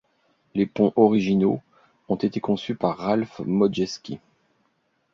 Les ponts originaux ont été conçus par Ralph Modjeski.